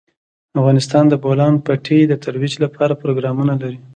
افغانستان د د بولان پټي د ترویج لپاره پروګرامونه لري.